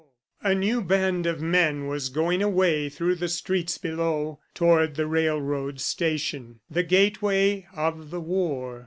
A new band of men was going away through the streets below, toward the railway station, the gateway of the war.